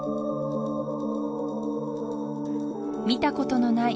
見たことのない